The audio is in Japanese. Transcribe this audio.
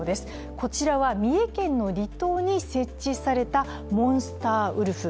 こちらはこちらは三重県の離島に設置されたモンスターウルフ。